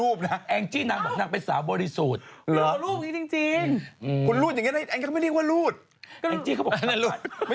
คุณแองจี้ครับหลูบเนี่ยเขาหลูบอย่างนี้ก็ได้